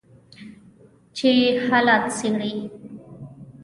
چې حالات څیړي